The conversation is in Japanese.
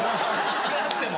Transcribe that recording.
知らなくても。